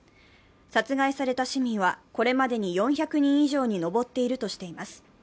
殺害された市民はこれまでに４００人以上に上っているとしています。